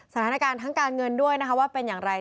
สถานการณ์ทั้งการเงินด้วยนะคะว่าเป็นอย่างไร